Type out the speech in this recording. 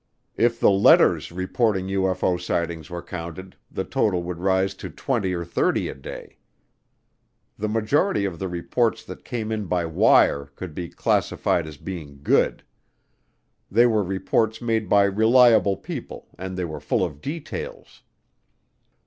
If the letters reporting UFO sightings were counted, the total would rise to twenty or thirty a day. The majority of the reports that came in by wire could be classified as being good. They were reports made by reliable people and they were full of details.